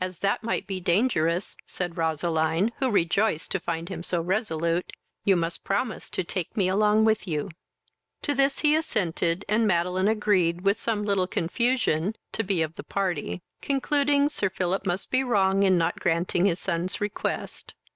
"As that might be dangerous, (said Roseline, who rejoiced to find him so resolute,) you must promise to take me along with you." To this he assented, and Madeline agreed, with some little confusion, to be of the party, concluding, Sir Philip must be wrong in not granting his son's request.